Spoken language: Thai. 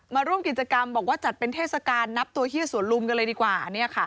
มาร่วมกิจกรรมบอกว่าจัดเป็นเทศกาลนับตัวเฮียสวนลุมกันเลยดีกว่า